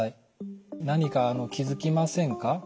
何か気付きませんか？